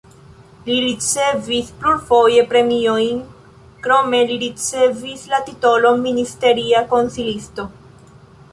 Li ricevis plurfoje premiojn, krome li ricevis la titolon ministeria konsilisto.